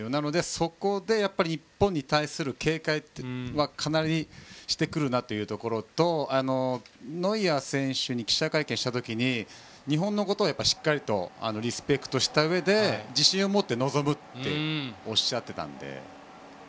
そこで日本に対する警戒はかなりしてくるなというところとノイアー選手に記者会見をした時日本のことをしっかりとリスペクトした上で自信を持って臨むとおっしゃっていたので。